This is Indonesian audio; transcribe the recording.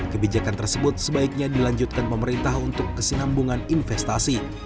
kebijakan tersebut sebaiknya dilanjutkan pemerintah untuk kesinambungan investasi